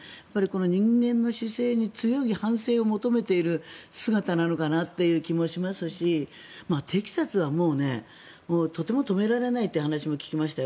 人間の姿勢に強い反省を求めている姿なのかなという気もしますしテキサスはとても止められないという話も聞きましたよ。